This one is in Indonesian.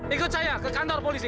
ikut saya ke kantor polisi